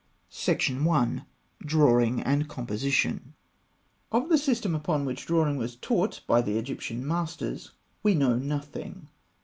I. DRAWING AND COMPOSITION. Of the system upon which drawing was taught by the Egyptian masters, we know nothing.